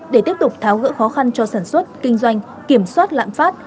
để tiếp tục tháo gỡ khó khăn cho sản xuất kinh doanh kiểm soát lạm phát